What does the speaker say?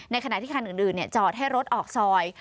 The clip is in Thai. ในขณะที่คันอื่นอื่นเนี่ยจอดให้รถออกซอย